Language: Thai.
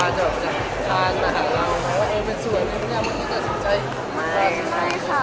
เกี่ยวกับปฏิเสธทางทางปัญหาเราว่าเอมมันสวยท่านจะสนใจไหม